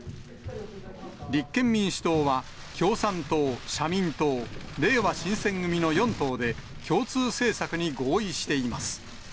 立憲民主党は、共産党、社民党、れいわ新選組の４党で、共通政策に合意しています。